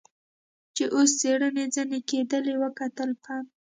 چې اوس څېړنې ځنې کېدلې وکتل، پنډ.